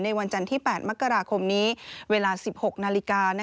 วันจันทร์ที่๘มกราคมนี้เวลา๑๖นาฬิกา